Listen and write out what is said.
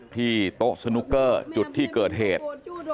โต๊ะสนุกเกอร์จุดที่เกิดเหตุ